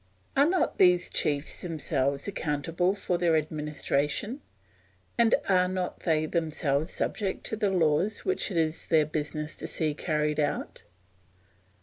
Are not these chiefs themselves accountable for their administration, and are not they themselves subject to the laws which it is their business to see carried out?